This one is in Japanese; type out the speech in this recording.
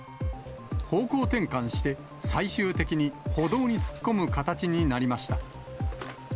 方向転換して、最終的に歩道に突っ込む形になりました。